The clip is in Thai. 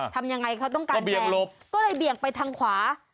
ทำยังไงเขาต้องการแบกก็เลยเบี่ยงไปทางขวา